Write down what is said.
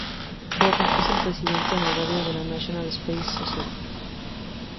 Bova es presidente honorario de la National Space Society.